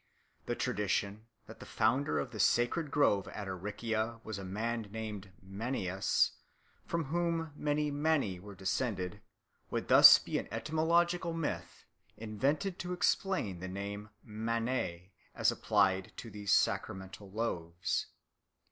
The tradition that the founder of the sacred grove at Aricia was a man named Manius, from whom many Manii were descended, would thus be an etymological myth invented to explain the name maniae as applied to these sacramental loaves.